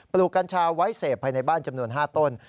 กัญชาไว้เสพภายในบ้านจำนวน๕ต้น